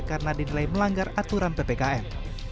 karena didelai melanggar aturan ppkm